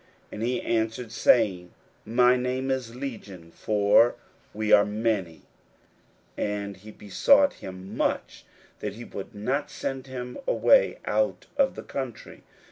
And he answered, saying, My name is Legion: for we are many. 41:005:010 And he besought him much that he would not send them away out of the country.